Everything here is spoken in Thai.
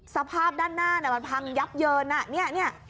สภาพด้านหน้ามันพังยับเยิน